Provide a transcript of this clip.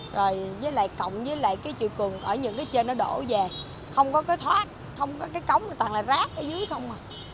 rồi với lại cộng với lại cái chiều cường ở những cái trên nó đổ về không có cái thoát không có cái cống mà toàn là rác ở dưới không mà